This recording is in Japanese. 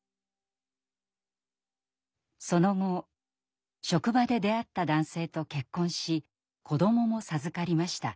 その後職場で出会った男性と結婚し子どもも授かりました。